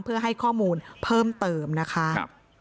เพื่อให้ข้อมูลเพิ่มเติมนะคะ